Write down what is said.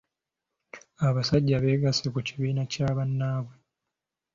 Abasajja beegasse ku kibiina kya bannaabwe.